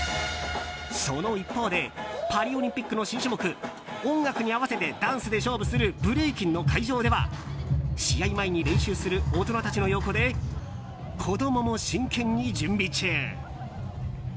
その一方でパリオリンピックの新種目音楽に合わせてダンスで勝負するブレイキンの会場では試合前に練習する大人たちの横で子供も真剣に準備中。